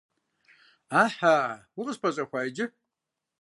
Ӏэхьа, укъыспэщӀэхуа иджы!